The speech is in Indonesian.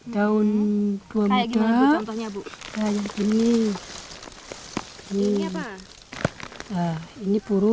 peko itu artinya apa bu